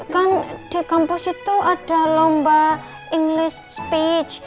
kan di kampus itu ada lomba englist speech